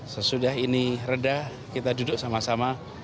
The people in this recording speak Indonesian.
sesudah ini redah kita duduk sama sama